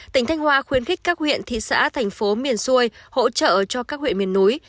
tỉnh thanh hoa khuyến khích các huyện thị xã thành phố miền xuôi hỗ trợ cho các huyện miền núi